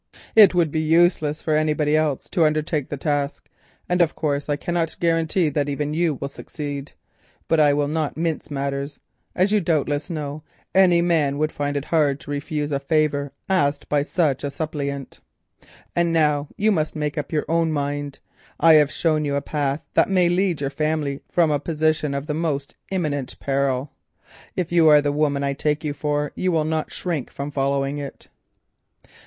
It would be useless for anybody else to undertake the task, and of course I cannot guarantee that even you will succeed, but I will not mince matters—as you doubtless know, any man would find it hard to refuse a favour asked by such a suppliant. And now you must make up your own mind. I have shown you a path that may lead your family from a position of the most imminent peril. If you are the woman I take you for, you will not shrink from following it."